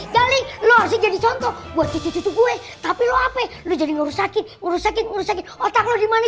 jali lu harus jadi contoh buat cucu cucu gue tapi lu apai lu jadi ngerusakin ngerusakin ngerusakin otak lu dimana jali